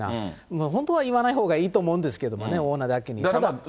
もう本当は言わないほうがいいと思うんですけどね、オーナーだけに。